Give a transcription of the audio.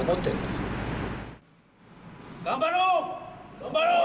頑張ろう。